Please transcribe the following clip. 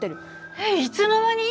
えっいつの間に！？